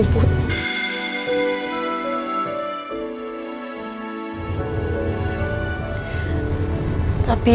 tapi ibu cintakan sama para imun